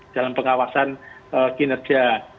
dalam pengawasan kinerja